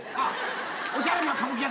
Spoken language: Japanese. おしゃれな歌舞伎役者が？